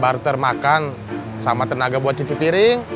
barter makan sama tenaga buat cuci piring